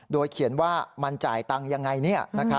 โดยเขียนว่ามันจ่ายตังค์ยังไง